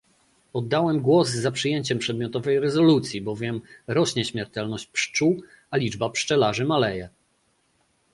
Oddałem głos za przyjęciem przedmiotowej rezolucji, bowiem rośnie śmiertelność pszczół, a liczba pszczelarzy maleje